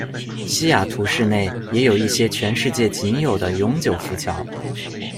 西雅图市内也有一些全世界仅有的永久浮桥。